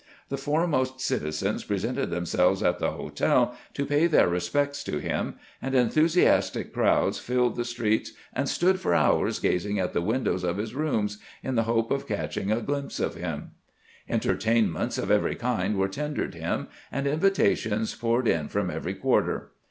The foremost citizens pre 326 CAMPAIGNING WITH GRANT sented themselves at the hotel to pay their respects to him, and enthusiastic crowds filled the streets and stood for hours gazing at the windows of his rooms, in the hope of catching a glimpse of him. Entertainments of every kind were tendered him, and invitations poured in from every quarter.